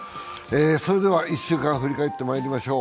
それでは１週間、振り返ってまいりましょう。